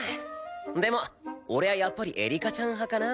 でも俺はやっぱりエリカちゃん派かな。